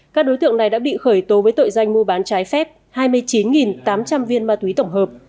các đối tượng này đã bị khởi tố với tội danh mua bán trái phép hai mươi chín tám trăm linh viên ma túy tổng hợp